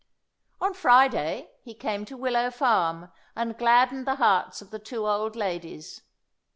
On Friday he came to Willow Farm and gladdened the hearts of the two old ladies.